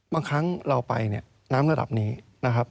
บางครั้งเราไปเนี่ยน้ำระดับนี้นะครับ